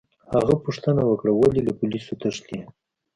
هغه پوښتنه وکړه: ولي، له پولیسو تښتې؟